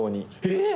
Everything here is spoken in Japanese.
えっ！？